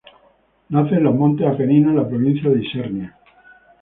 Nace en los montes Apeninos, en la provincia de Isernia.